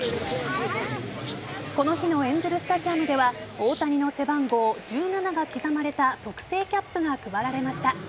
この日のエンゼルスタジアムでは大谷の背番号１７が刻まれた特製キャップが配られました。